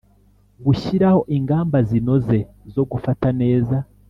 Gushyiraho ingamba zinoze zo gufata neza